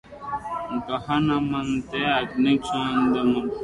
గహనమెంత అగ్ని కణమదెంత